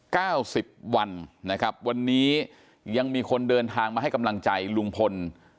สิบวันนะครับวันนี้ยังมีคนเดินทางมาให้กำลังใจลุงพล